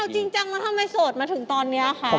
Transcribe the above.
จริงจังแล้วทำไมโสดมาถึงตอนนี้คะ